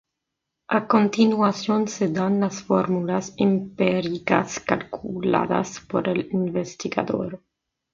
A continuación se dan las fórmulas empíricas calculadas por el investigador.